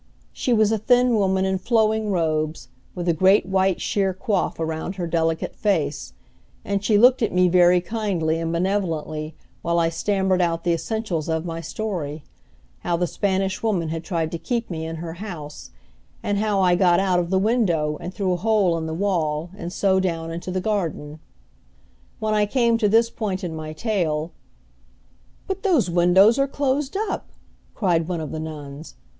She was a thin woman in flowing robes, with a great white sheer coif around her delicate face; and she looked at me very kindly and benevolently while I stammered out the essentials of my story how the Spanish Woman had tried to keep me in her house, and how I got out of the window and through a hole in the wall and so down into the garden. When I came to this point in my tale, "But those windows are closed up!" cried one of the nuns.